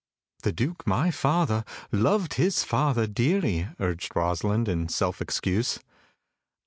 "The Duke, my father, loved his father dearly," urged Rosalind in self excuse.